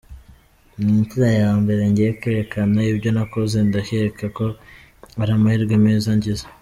Ni inshuro ya mbere ngiye kwerekana ibyo nakoze, ndakeka ko ari amahirwe meza ngize.